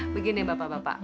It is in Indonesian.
begini bapak bapak